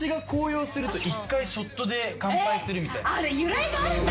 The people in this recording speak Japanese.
あれ由来があるんだ。